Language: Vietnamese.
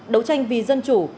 đấu tranh vì dân chủ